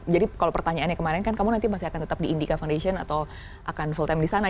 jadi kalau pertanyaannya kemarin kan kamu nanti masih akan tetap di indica foundation atau akan full time di sana